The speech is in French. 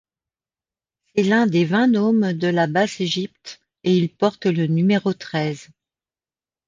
C'est l'un des vingt nomes de la Basse-Égypte et il porte le numéro treize.